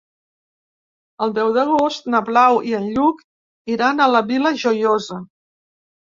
El deu d'agost na Blau i en Lluc iran a la Vila Joiosa.